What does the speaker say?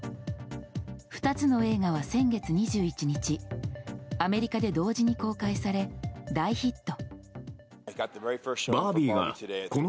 ２つの映画は先月２１日アメリカで同時に公開され大ヒット。